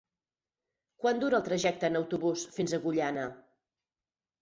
Quant dura el trajecte en autobús fins a Agullana?